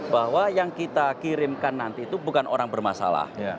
bahwa yang kita kirimkan nanti itu bukan orang bermasalah